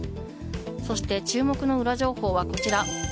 そして注目のウラ情報はこちら。